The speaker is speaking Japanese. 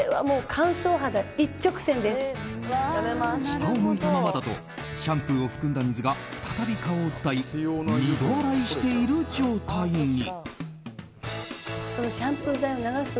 下を向いたままだとシャンプーを含んだ水が再び顔を伝い２度洗いしている状態に。